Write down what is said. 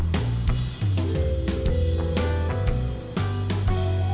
kenapa kiniure dipakai ug né ngerti ugly